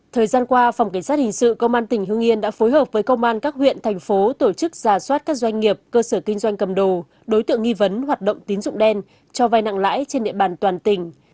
thời gian qua phòng cảnh sát hình sự công an tỉnh hương yên đã phối hợp với công an các huyện thành phố tổ chức giả soát các doanh nghiệp cơ sở kinh doanh cầm đồ đối tượng nghi vấn hoạt động tín dụng đen cho vai nặng lãi trên địa bàn toàn tỉnh